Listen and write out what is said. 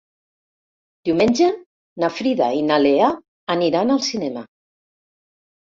Diumenge na Frida i na Lea aniran al cinema.